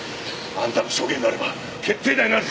あんたの証言があれば決定打になる。